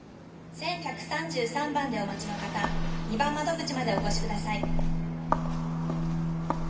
「１１３３番でお待ちの方２番窓口までお越し下さい」。